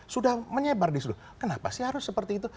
sudah menyebar disitu kenapa sih harus seperti itu